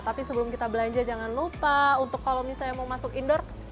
tapi sebelum kita belanja jangan lupa untuk kalau misalnya mau masuk indoor